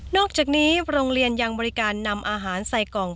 อกจากนี้โรงเรียนยังบริการนำอาหารใส่กล่อง